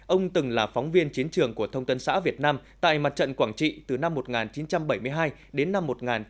ông từng là phóng viên chiến trường của thông tấn xã việt nam tại mặt trận quảng trị từ năm một nghìn chín trăm bảy mươi hai đến năm một nghìn chín trăm bảy mươi